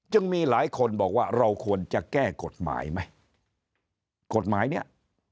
มีหลายคนบอกว่าเราควรจะแก้กฎหมายไหมกฎหมายเนี่ย